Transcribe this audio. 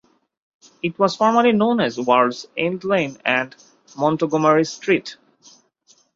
It was formerly known as Worlds End Lane and Montgomery Street.